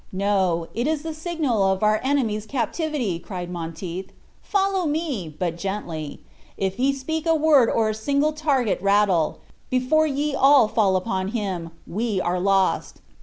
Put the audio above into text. "No, it is the signal of our enemy's captivity!" cried Monteith. "Follow me, but gently. If ye speak a word or a single target rattle, before ye all fall upon him, we are lost.